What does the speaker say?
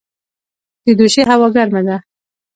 د دوشي هوا ګرمه ده